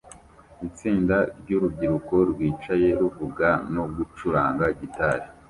Itsinda ryurubyiruko rwicaye ruvuga no gucuranga gitari